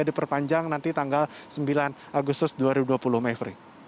diperpanjang nanti tanggal sembilan agustus dua ribu dua puluh meifri